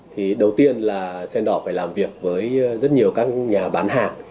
thì đầu tiên là sendor phải làm việc với rất nhiều các nhà bán hàng